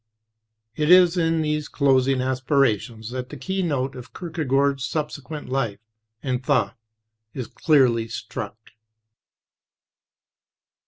It is in these closing aspirations that the key note of Kierke gaard's subsequent life and thought is clearly struck.